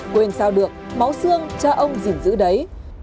quên sao được máu xương cho ông gìn giữ đấy